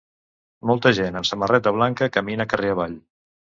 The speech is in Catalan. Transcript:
Molta gent amb samarreta blanca camina carrer avall.